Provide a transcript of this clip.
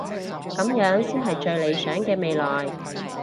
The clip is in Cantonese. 噉樣先係最理想嘅未來